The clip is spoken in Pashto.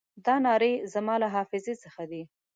دا نارې زما له حافظې څخه دي.